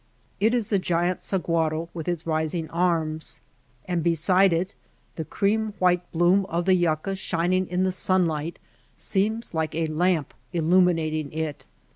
It is the giant sahuaro with its rising arms, and beside it the cream white bloom of the yucca shining in the sunlight seems like a lamp illuminating it.